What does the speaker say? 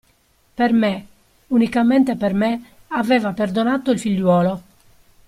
Per me, unicamente per me aveva perdonato il figliuolo.